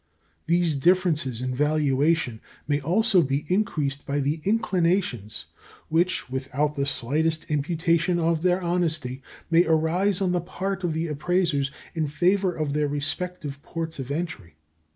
These differences in valuation may also be increased by the inclination which, without the slightest imputation on their honesty, may arise on the part of the appraisers in favor of their respective ports of entry.